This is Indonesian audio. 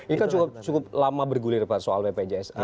ini kan cukup lama bergulir pak soal bpjs